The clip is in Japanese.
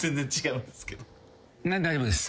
大丈夫です